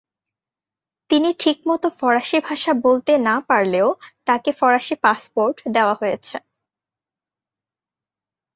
তিনি ঠিকমত ফরাসি ভাষা বলতে না পারলেও তাকে ফরাসি পাসপোর্ট দেওয়া হয়েছে।